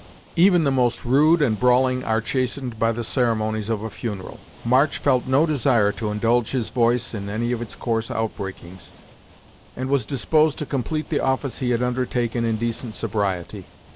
Even the most rude and brawling are chastened by the ceremonies of a funeral. March felt no desire to indulge his voice in any of its coarse outbreakings, and was disposed to complete the office he had undertaken in decent sobriety.